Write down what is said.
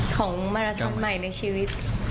ของมาราทอนใหม่ในชีวิต